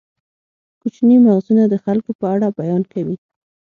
کوچني مغزونه د خلکو په اړه بیان کوي.